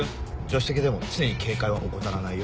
手席でも常に警戒は怠らないよ。